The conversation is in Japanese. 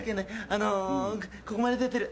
あのここまで出てる。